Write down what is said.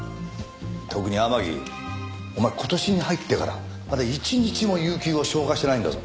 特に天樹お前今年に入ってからまだ一日も有休を消化してないんだぞ。